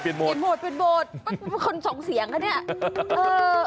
เป็นคนสองเสียงอ่ะเนี้ย